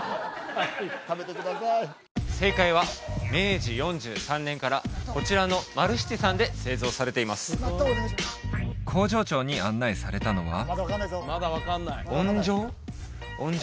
食べてください正解は明治４３年からこちらのマルシチさんで製造されています工場長に案内されたのは温醸？